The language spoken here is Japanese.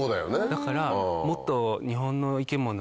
だからもっと。